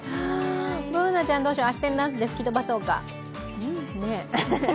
Ｂｏｏｎａちゃん、あし天ダンスで吹き飛ばそうか。